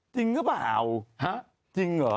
จริงก็เปล่าจริงเหรอ